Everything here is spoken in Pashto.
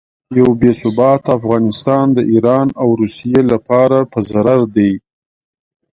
یو بې ثباته افغانستان د ایران او روسیې لپاره په ضرر دی.